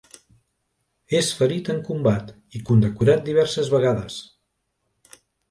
És ferit en combat i condecorat diverses vegades.